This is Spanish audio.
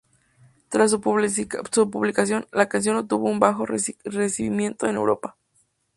Tras su publicación, la canción obtuvo un bajo recibimiento en Europa.